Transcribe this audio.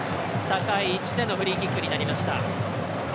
高い位置でのフリーキックになりました。